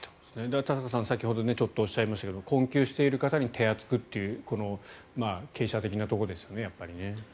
だから田坂さん、先ほどちょっとおっしゃいましたが困窮している方に手厚くというこの傾斜的なところですよね。